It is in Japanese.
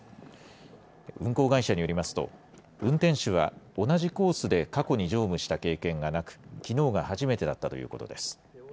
運行会社によりますと、運転手は、同じコースで過去に乗務した経験がなく、きのうが初めてだったということです。